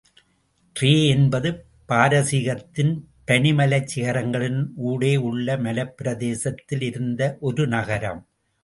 ரே என்பது பாரசீகத்தின் பனிமலைச் சிகரங்களின் ஊடே உள்ள மலைப்பிரதேசத்திலே யிருந்த ஒரு நகரம்.